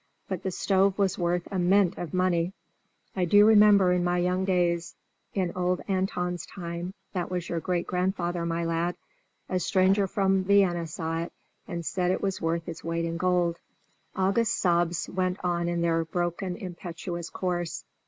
but the stove was worth a mint of money. I do remember in my young days, in old Anton's time (that was your great grandfather, my lad), a stranger from Vienna saw it, and said that it was worth its weight in gold." August's sobs went on their broken, impetuous course.